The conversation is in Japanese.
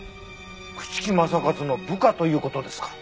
朽木政一の部下という事ですか。